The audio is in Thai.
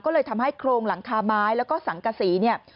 ก็เลยทำให้โครงหลังคาไม้แล้วก็สังกษีเนี่ย